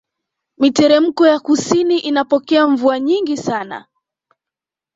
Miteremko ya kusini inapokea mvua nyingi sana